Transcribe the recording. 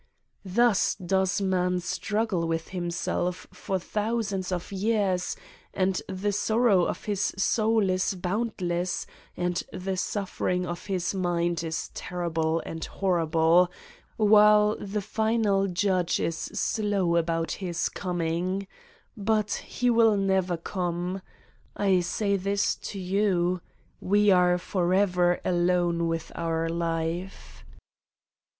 Thus does man struggle with himself for thousands of years and the sorrow of his soul is boundless and the suffering of his mind is terrible and horrible, 147 Satan's Diary while the final judge is slow about his coming. ... But he will never come. I say this to you : we are forever alone with our life.